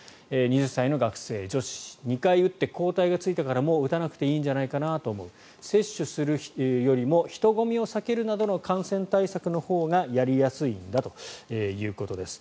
２０歳の学生、女子２回打って抗体がついたからもう打たなくていいんじゃないかなと思う接種するよりも、人混みを避けるなどの感染対策のほうがやりやすいんだということです。